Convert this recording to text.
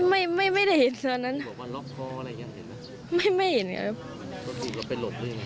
ได้ยินเสียงคืออะไรยาหนึ่ง